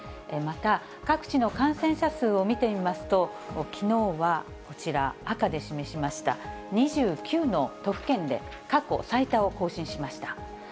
また、各地の感染者数を見てみますと、きのうはこちら、赤で示しました２９の都府県で過去最多を更新しました。